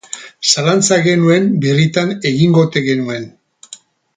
Zalantza genuen birritan egingo ote genuen.